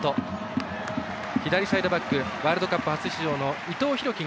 左サイドバックワールドカップ初出場の伊藤洋輝